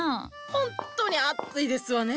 ほんとに暑いですわね。